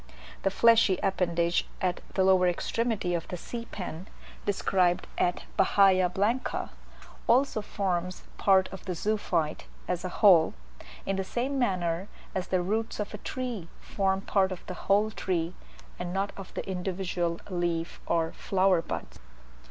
The fleshy appendage at the lower extremity of the sea pen (described at Bahia Blanca) also forms part of the zoophyte, as a whole, in the same manner as the roots of a tree form part of the whole tree, and not of the individual leaf or flower buds.